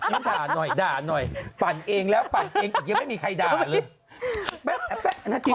มาด่าหน่อยด่าหน่อยปั่นเองแล้วปั่นเองอีกยังไม่มีใครด่าเลย